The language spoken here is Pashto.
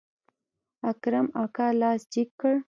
اکرم اکا لاس جګ کړ.